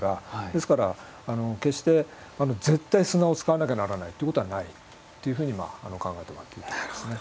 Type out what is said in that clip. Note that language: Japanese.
ですから決して絶対砂を使わなきゃならないっていうことはないっていうふうに考えてもらっていいと思いますね。